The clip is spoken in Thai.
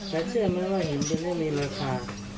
แต่เชื่อมั้ยว่าหินเป็นเรื่องมีราคา